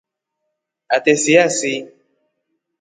Ate siasii.